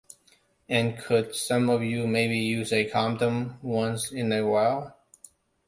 And could some of you maybe use a condom once in a while?